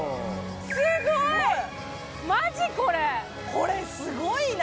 これすごいな！